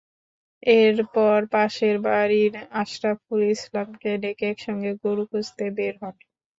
এরপর পাশের বাড়ির আশরাফুল ইসলামকে ডেকে একসঙ্গে গরু খুঁজতে বের হন।